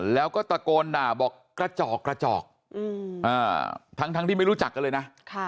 แล้วก็ตะโกนด่าบอกกระจอกทั้งที่ไม่รู้จักเลยนะ